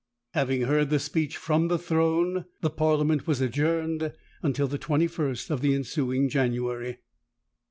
Having heard the speech from the throne, the parliament was adjourned until the 21st of the ensuing January.